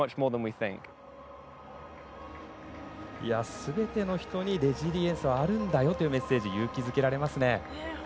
すべての人にレジリエンスはあるんだよというメッセージ、勇気づけられますね。